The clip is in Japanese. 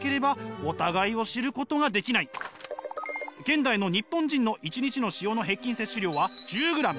現代の日本人の１日の塩の平均摂取量は１０ｇ。